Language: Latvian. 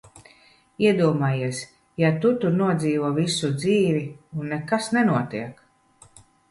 Iedomājies, ja tu tur nodzīvo visu dzīvi, un nekas nenotiek!